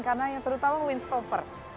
karena yang terutama windsoffer